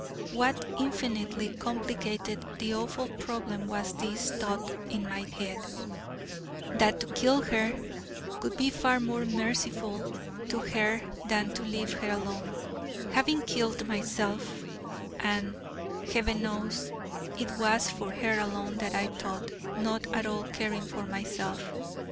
What infinitely complicated the awful problem was this thought in my head: that to kill her would be far more merciful to her than to leave her alone, having killed myself: and, Heaven knows, it was for her alone that I thought, not at all caring for myself.